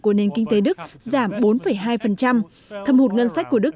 của nền kinh tế đức giảm bốn hai thâm hụt ngân sách của đức